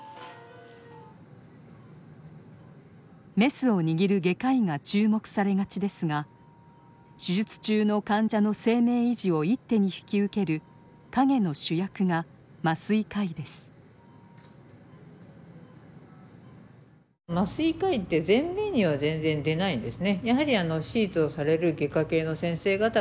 メスを握る外科医が注目されがちですが手術中の患者の生命維持を一手に引き受ける陰の主役が麻酔科医です。